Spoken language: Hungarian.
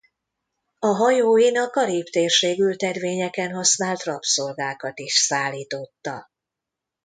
A hajóin a Karib-térség ültetvényeken használt rabszolgákat is szállította.